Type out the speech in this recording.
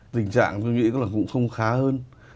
tình trạng tôi nghĩ là cũng không khá hơn